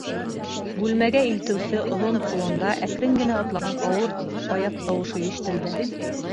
Бүлмәгә илтеүсе оҙон соланда әкрен генә атлаған ауыр аяҡ тауышы ишетелде.